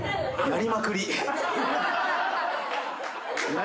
鳴りまくり。